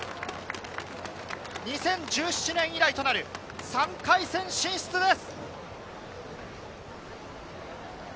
２０１７年以来となる３回戦進出です。